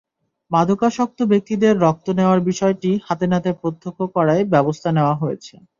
মাদকাসক্ত ব্যক্তিদের রক্ত নেওয়ার বিষয়টি হাতেনাতে প্রত্যক্ষ করায় ব্যবস্থা নেওয়া হয়েছে।